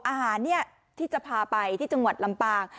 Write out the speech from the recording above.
อาหารที่จะพาไปที่จังหวัดลำปาง